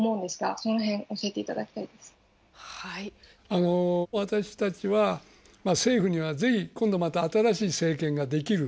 あの私たちは政府にはぜひ今度また新しい政権ができる。